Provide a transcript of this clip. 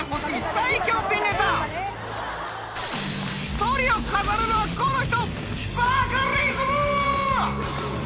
トリを飾るのはこの人！